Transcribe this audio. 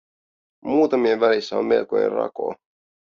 Muutamien välissä on melkoinen rako.